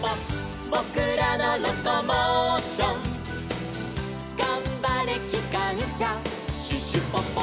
「ぼくらのロコモーション」「がんばれきかんしゃシュシュポポ」